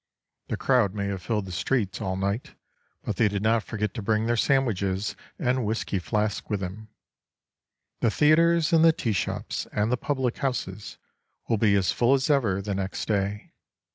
The crowd may have filled the streets all night, but they did not forget to bring their sandwiches and whisky flasks with them. The theatres and the tea shops and the public houses will be as full as ever the next day.